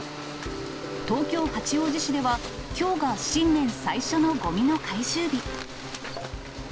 東京・八王子市ではきょうが新年最初のごみの回収日。